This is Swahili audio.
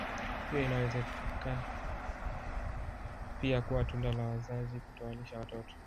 Hiyo inawezeka pia kuwa tunda la wazazi kutowalisha watoto